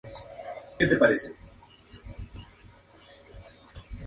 Se encuentra en el Pacífico occidental: Papúa Nueva Guinea.